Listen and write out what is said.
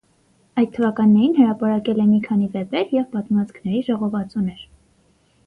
Այդ թվականներին հրապարակել է մի քանի վեպեր և պատմվածքների ժողովածուներ։